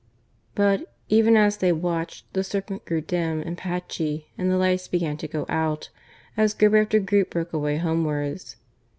But, even as they watched, the serpent grew dim and patchy, and the lights began to go out, as group after group broke away homewards.